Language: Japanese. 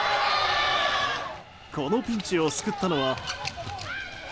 このピンチを救ったのは。